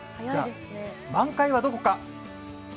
じゃあ、満開はどこか。